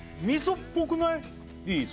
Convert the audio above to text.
味噌っぽくない？